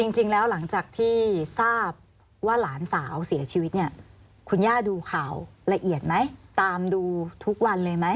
จริงแล้วหลังจากที่ทราบว่าหลานสาวเสียชีวิตเนี่ยคุณย่าดูข่าวละเอียดไหมตามดูทุกวันเลยไหม